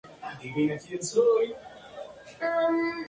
El Control Yuan acusó a nueve oficiales por incumplimiento del deber.